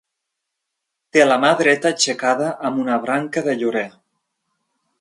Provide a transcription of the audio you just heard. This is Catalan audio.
Té la mà dreta aixecada amb una branca de llorer.